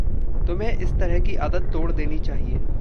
तुम्हे इस तरह की आदत तोड़ देनी चाहिए।